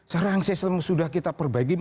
sekarang sistem sudah kita perbaiki